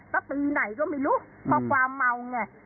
สติไหนก็ไม่รู้เพราะความเมาเนี่ย